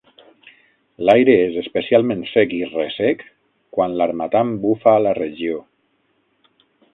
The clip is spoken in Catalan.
L'aire és especialment sec i ressec quan l'Harmattan bufa a la regió.